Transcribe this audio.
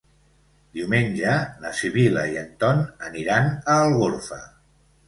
Diumenge na Sibil·la i en Ton aniran a Algorfa.